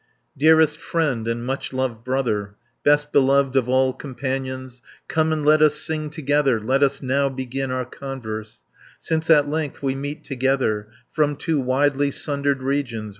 10 Dearest friend, and much loved brother, Best beloved of all companions, Come and let us sing together, Let us now begin our converse, Since at length we meet together, From two widely sundered regions.